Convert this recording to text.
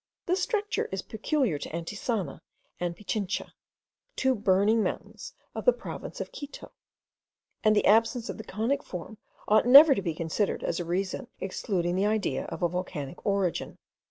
This structure is peculiar to Antisana and Pichincha, two burning mountains of the province of Quito; and the absence of the conic form ought never to be considered as a reason excluding the idea of a volcanic origin.